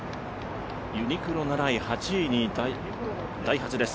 ユニクロ７位、８位にダイハツです。